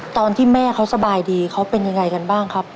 ตอนที่แม่เขาสบายดีเขาเป็นยังไงกันบ้างครับ